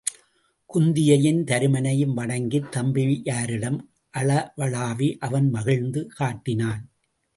குந்தியையும் தருமனையும் வணங்கித் தம்பியரிடம் அளவளாவி அவன் மகிழ்ச்சி காட்டினான்.